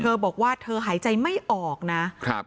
บอกว่าเธอหายใจไม่ออกนะครับ